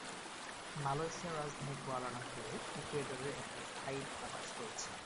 মালয়েশিয়ার রাজধানী কুয়ালালামপুরে ইকুয়েডরের একটি স্থায়ী দূতাবাস রয়েছে।